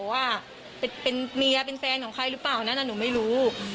ว่าเป็นเมียเป็นแฟนของใครหรือเปล่านั้นหนูไม่รู้